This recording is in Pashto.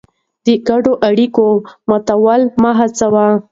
د ګډو اړیکو ماتول مه هڅوه.